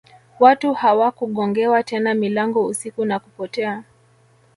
Watu hawakugongewa tena milango usiku na kupotea